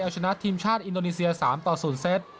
เอาชนะทีมชาติอินโดนีเซีย๓ต่อ๐เซต